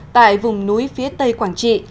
tại vùng núi phía tây quảng trị